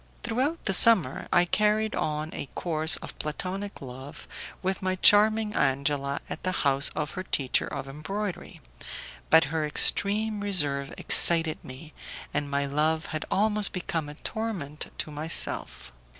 Throughout the summer, I carried on a course of Platonic love with my charming Angela at the house of her teacher of embroidery, but her extreme reserve excited me, and my love had almost become a torment to myself.